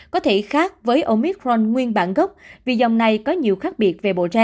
có thể khác với omicron nguyên bản gốc vì dòng này có nhiều khác biệt